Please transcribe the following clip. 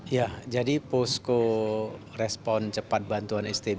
ya jadi posko respon cepat bantuan stb